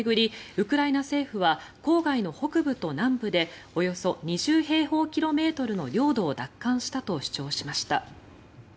ウクライナ政府は郊外の北部と南部でおよそ２０平方キロメートルの領土を奪還したと主張しました。